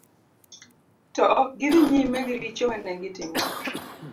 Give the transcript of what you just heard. To ok gi dhi nyime gi richo mane gitimo.